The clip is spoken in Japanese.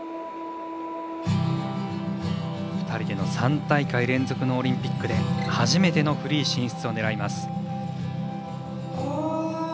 ２人での３大会連続のオリンピックで初めてのフリー進出を狙います。